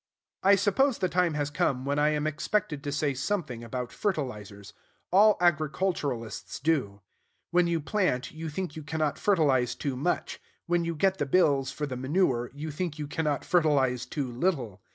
I suppose the time has come when I am expected to say something about fertilizers: all agriculturists do. When you plant, you think you cannot fertilize too much: when you get the bills for the manure, you think you cannot fertilize too little.